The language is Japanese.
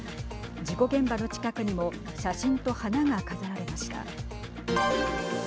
事故現場の近くにも写真と花が飾られました。